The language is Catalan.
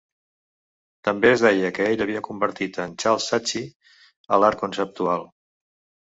També es deia que ell havia convertit en Charles Saatchi a l"art conceptual.